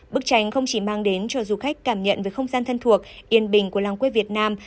bức tranh không chỉ mang đến cho du khách cảm nhận về không gian thân thuộc yên bình của làng quê việt nam